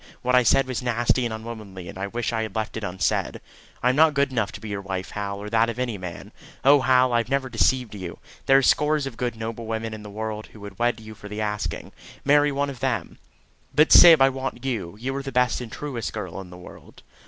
"What I said was nasty and unwomanly, and I wish I had left it unsaid. I am not good enough to be your wife, Hal, or that of any man. Oh, Hal, I have never deceived you! There are scores of good noble women in the world who would wed you for the asking marry one of them." "But, Syb, I want you. You are the best and truest girl in the world."